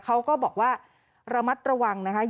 เขาก็บอกว่าระมัดระวังนะคะ